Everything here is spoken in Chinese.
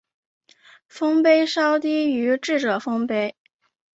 丰碑稍低于智者丰碑。